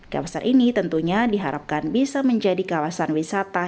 kawasan ini tentunya diharapkan bisa menjadi kawasan wisata